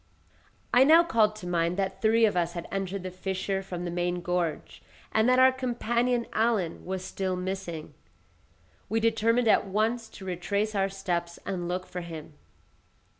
I now called to mind that three of us had entered the fissure from the main gorge, and that our companion, Allen, was still missing; we determined at once to retrace our steps and look for him.